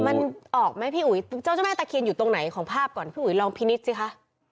มันออกไหมพี่อุ๋ยเจ้าเจ้าแม่ตะเคียนอยู่ตรงไหนของภาพก่อนพี่อุ๋ยลองพินิษฐ์สิคะ